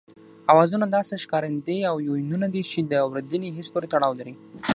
آوازونه داسې ښکارندې او يوونونه دي چې د اورېدني حس پورې تړاو لري